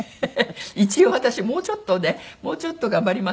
一応私もうちょっとねもうちょっと頑張ります。